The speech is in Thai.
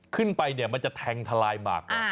ขึ้นไปมันจะแตงทะลายมาก